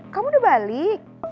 kamu udah balik